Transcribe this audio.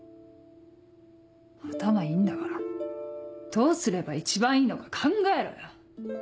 頭いいんだからどうすれば一番いいのか考えろよ。